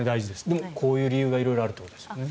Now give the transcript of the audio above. でも、こういう理由があるということですね。